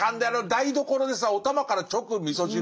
台所でさおたまから直みそ汁。